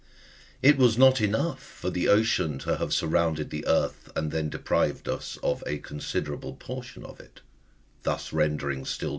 It was not enough for the ocean to have surrounded the earth, and then de prived us of a considerable portion of it, thus rendering still